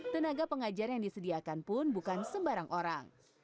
tenaga pengajar yang disediakan pun bukan sembarang orang